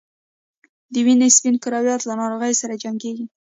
د وینې سپین کرویات له ناروغیو سره جنګیږي